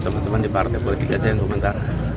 teman teman di partai bulgiga saya yang meminta